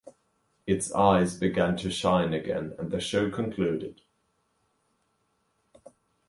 Its eyes began to shine again and the show concluded.